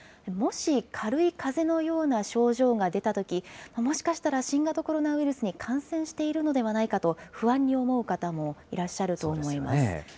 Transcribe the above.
もし軽いかぜのような症状が出たとき、もしかしたら新型コロナウイルスに感染しているのではないかと不安に思う方もいらっしゃると思います。